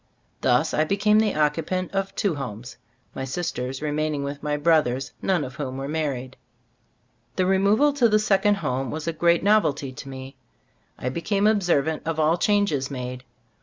Thus I became the occupant of two homes, my sisters remaining with my brothers, none of whom were mar ried. The removal to the second home was a great novelty to me. I became observant of all changes made.